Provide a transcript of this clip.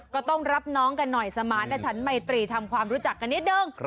ก็ต้องรับน้องกันหน่อยสมาร์ทฉันไมตรีทำความรู้จักกันนิดนึง